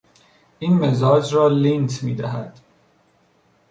این مزاج را لینت میدهد.